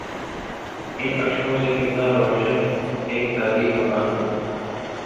ان اشکوں سے کتنا روشن اک تاریک مکان ہو